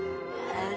ああ。